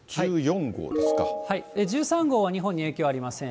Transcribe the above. １３号は日本に影響はありません。